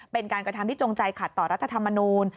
เป็นการกระทำที่จงใจขัดต่อรัฐธรรมนูล